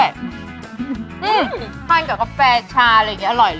อืมใช้กับกาแฟชาอะไรอย่างงี้อร่อยเลยอ่ะ